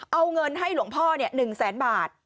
เอาเงินให้หลวงพ่อ๑แสนบาท